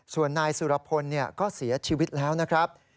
ส่วนนายสุรพลก็เสียชีวิตแล้วนะครับ